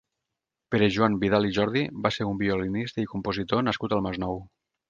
Pere Joan Vidal i Jordi va ser un violinista i compositor nascut al Masnou.